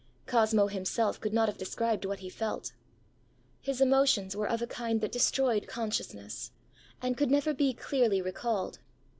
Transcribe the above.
Cosmo himself could not have described what he felt. His emotions were of a kind that destroyed consciousness, and could never be clearly recalled.